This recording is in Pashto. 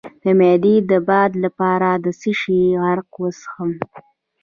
د معدې د باد لپاره د څه شي عرق وڅښم؟